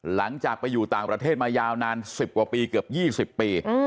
หลังจากไปอยู่ต่างประเทศมายาวนาน๑๐กว่าปีเกือบ๒๐ปี